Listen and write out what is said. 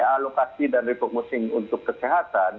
oke dengan realokasi dan refocusing untuk kesehatan